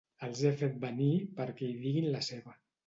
Els he fet venir perquè hi diguin la seva.